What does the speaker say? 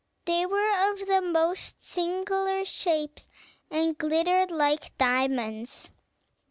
They were of the most singular shapes, and glittered like diamonds.